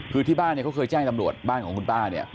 คือที่บ้านเนี่ยเขาเคยแจ้งตำรวจบ้านของคุณป้าเนี่ย